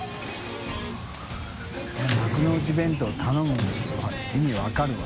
海幕の内弁当頼む意味分かるわ。